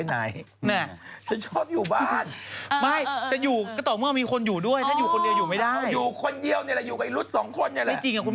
ถ้ามาเข้าคุณพระดับผมอยากเห็นครับ